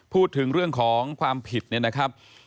พูดถึงเรื่องของความผิดเนี่ยนะครับ